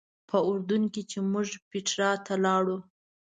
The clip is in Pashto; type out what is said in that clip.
په اردن کې چې موږ پیټرا ته لاړو.